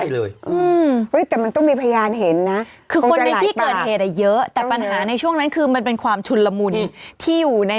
ลืมมันเมื่อไปไหนพรุ่งนี้